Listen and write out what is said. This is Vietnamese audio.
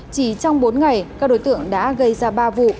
chỉ trong bốn ngày các đối tượng đã gây ra ba vụ